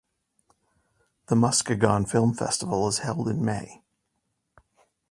The Muskegon Film Festival is held in May.